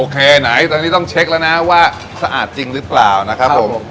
ไหนตอนนี้ต้องเช็คแล้วนะว่าสะอาดจริงหรือเปล่านะครับผม